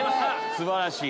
素晴らしい。